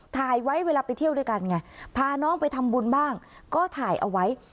ถ่ายไว้เวลาไปเที่ยวด้วยกันไงพาน้องไปทำบุญบ้างก็ถ่ายเอาไว้